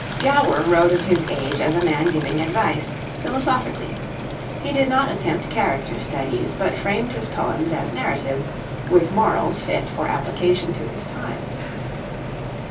Gower wrote of his age as a man giving advice, philosophically; he did not attempt character studies, but framed his poems as narratives with morals fit for application to his times.